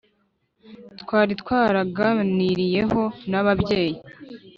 twari twaraganiriyeho na babyeyi